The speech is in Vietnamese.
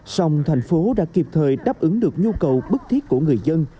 sông thành phố đã kịp thời đáp ứng được nhu cầu bức thiết của người dân